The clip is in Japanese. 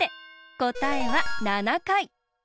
こたえは７かい。